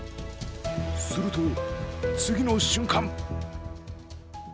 すると次の瞬間！